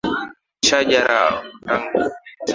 shajara hutangazwa kama kipengele kimoja cha kipindi